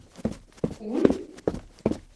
Үл?